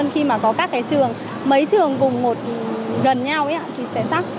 khi mà có các cái trường mấy trường cùng một gần nhau thì sẽ tắc